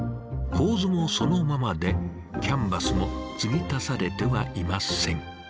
構図もそのままでキャンバスも継ぎ足されてはいません。